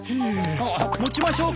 ああ持ちましょうか？